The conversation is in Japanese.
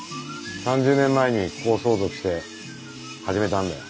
３０年前にここを相続して始めたんだよ。